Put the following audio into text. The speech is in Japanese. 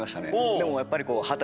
でもやっぱり。